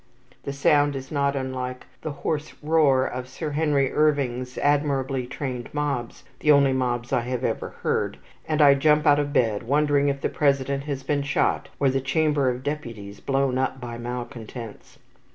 The sound is not unlike the hoarse roar of Sir Henry Irving's admirably trained mobs, the only mobs I have ever heard, and I jump out of bed, wondering if the President has been shot, or the Chamber of Deputies blown up by malcontents.